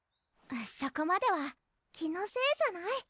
そこまでは気のせいじゃない？